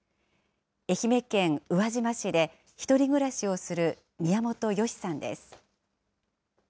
愛媛県宇和島市で１人暮らしをする宮本好さんです。